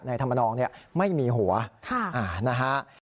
นายธรรมนองเนี้ยไม่มีหัวค่ะอ่านะฮะ